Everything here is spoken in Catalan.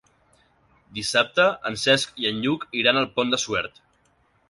Dissabte en Cesc i en Lluc iran al Pont de Suert.